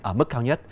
ở mức cao nhất